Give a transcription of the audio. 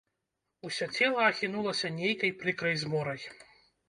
Усё цела ахінулася нейкай прыкрай зморай.